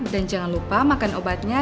dan jangan lupa makan obatnya